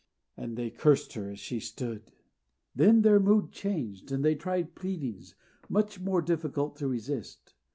And they cursed her as she stood. Then their mood changed, and they tried pleadings, much more difficult to resist.